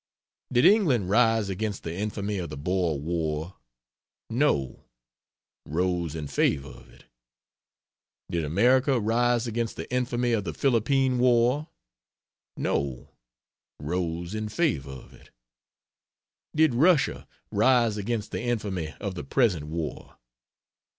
Did England rise against the infamy of the Boer war? No rose in favor of it. Did America rise against the infamy of the Phillipine war? No rose in favor of it. Did Russia rise against the infamy of the present war?